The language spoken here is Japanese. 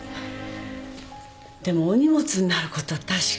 でもお荷物になることは確かよ。